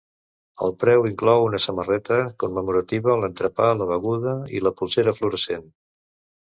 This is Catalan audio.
El preu inclou una samarreta commemorativa, l’entrepà, la beguda i la polsera fluorescent.